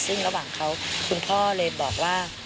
ซึ่งระหว่างเขาคุณพ่อเลยบอกว่า